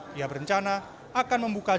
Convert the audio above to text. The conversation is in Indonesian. dia berencana akan membuka jam layar